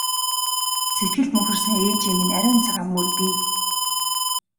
Сэтгэлд мөнхөрсөн ээжийн минь ариун цагаан мөр бий!